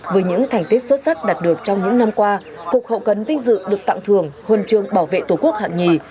với những thành tích xuất sắc đạt được trong những năm qua cục hậu cần vinh dự được tặng thường huân chương bảo vệ tổ quốc hạng nhì